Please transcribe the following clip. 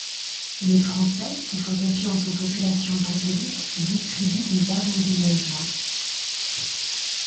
Les Français, qui font confiance aux populations catholiques, distribuent des armes aux villageois.